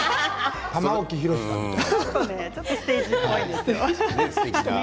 玉置宏さんみたい。